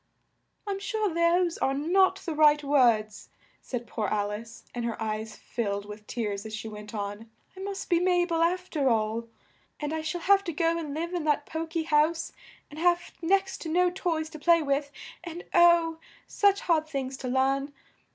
"I'm sure those are not the right words," said poor Al ice, and her eyes filled with tears as she went on, "I must be Ma bel af ter all, and I shall have to go and live in that po ky house and have next to no toys to play with, and oh! such hard things to learn.